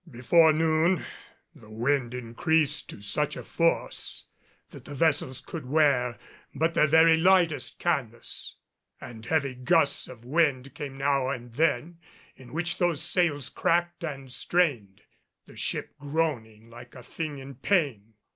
Before noon the wind increased to such a force that the vessels could wear but their very lightest canvas; and heavy gusts of wind came now and then, in which those sails cracked and strained, the ship groaning like a thing in pain.